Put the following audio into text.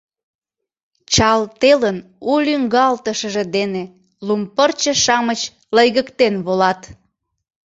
Чал телын у лӱҥгалтышыже дене Лум пырче-шамыч лыйгыктен волат.